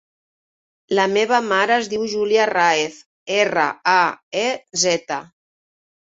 La meva mare es diu Júlia Raez: erra, a, e, zeta.